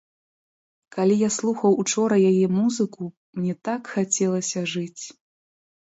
Калі я слухаў учора яе музыку, мне так хацелася жыць!